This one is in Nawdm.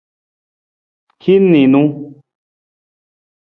Hin niinu.